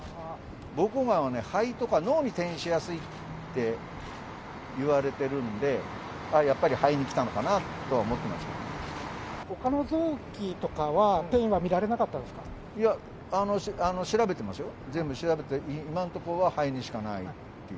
ぼうこうがんは、肺とか脳に転移しやすいって言われてるんで、ああ、やっぱり肺に来たのかなとはほかの臓器とかは、転移は見いや、調べてますよ、全部調べて、今のところは肺にしかないっていう。